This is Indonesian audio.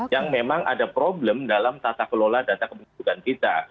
yang memang ada problem dalam tata kelola data kependudukan kita